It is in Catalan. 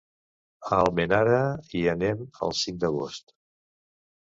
A Almenara hi anem el cinc d'agost.